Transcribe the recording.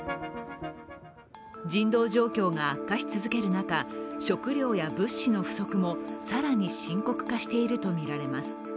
人道状況が悪化し続ける中食料や物資の不足も更に深刻化しているとみられます。